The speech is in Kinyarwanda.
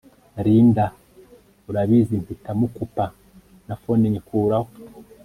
Linda urabizimpita mukupa na phone nyikuraho